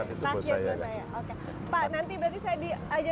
pak nanti berarti saya diajar lagi lari lagi ya pak ya